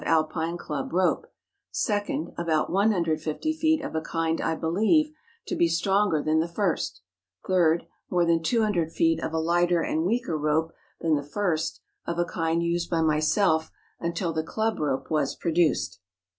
99 Alpine Club rope; second, about 150 feet of a kind I believe to be stronger than the first; third, more than 200 feet of a lighter and weaker rope than the first, of a kind used by myself until the club rope was produced.